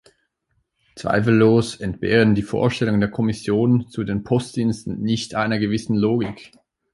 Zweifellos entbehren die Vorstellungen der Kommission zu den Postdiensten nicht einer gewissen Logik.